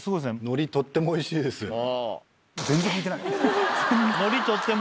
「のりとってもおいしいです」って。